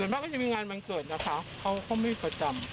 ส่วนมากจะมีงานบันเกิดนะคะเขาไม่ประจำ